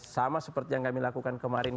sama seperti yang kami lakukan kemarin